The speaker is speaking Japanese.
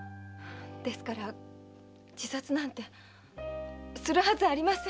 ですから自殺なんてするはずありません！